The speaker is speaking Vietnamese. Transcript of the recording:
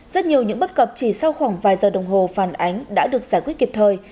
rất nhiều những bất cập chỉ sau khoảng vài giờ đồng hồ phản ánh đã được giải quyết kịp thời